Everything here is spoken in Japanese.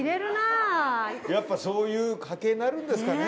やっぱそういう家系になるんですかね。